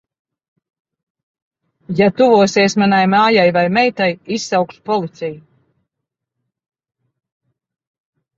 Ja tuvosies manai mājai vai meitai, izsaukšu policiju.